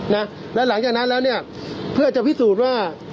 นะแล้วหลังจากนั้นแล้วเนี่ยเพื่อจะพิสูจน์ว่า